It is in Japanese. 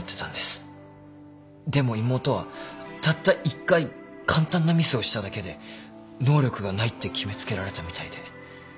でも妹はたった１回簡単なミスをしただけで能力がないって決め付けられたみたいで。